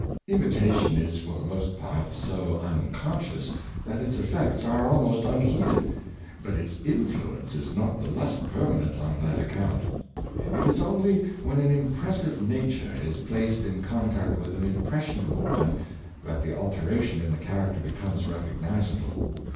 Imitation is for the most part so unconscious that its effects are almost unheeded, but its influence is not the less permanent on that account. It is only when an im pressive nature is placed in contact with an impression able one that the alteration in the character becomes recognizable.